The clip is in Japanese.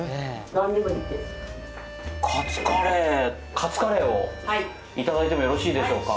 カツカレーをいただいてもよろしいでしょうか。